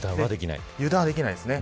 油断はできないですね。